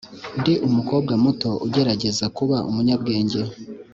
ndi umukobwa muto ugerageza kuba umunyabwenge.